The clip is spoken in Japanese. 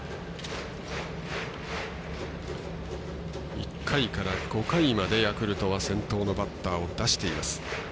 １回から５回までヤクルトは先頭のバッターを出しています。